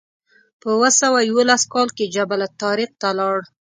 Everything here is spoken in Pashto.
په اوه سوه یوولس کال کې جبل الطارق ته لاړ.